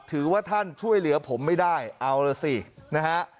ถือว่าท่านช่วยเหลือผมไม่ได้เอาล่ะสินะฮะ